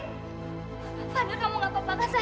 fadil kamu gak apa apakah saya